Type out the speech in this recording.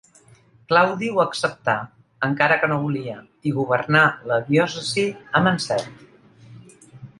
Claudi ho acceptà, encara que no volia, i governà la diòcesi amb encert.